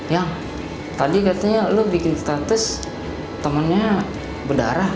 yang tadi katanya lu bikin status temennya berdarah